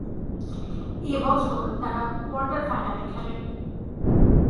এ বছর তারা কোয়ার্টার ফাইনালে খেলে।